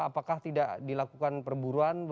apakah tidak dilakukan perburuan